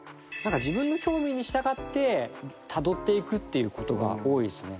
自分の興味に従ってたどっていくっていうことが多いっすね。